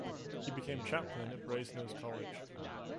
He became chaplain at Brasenose College.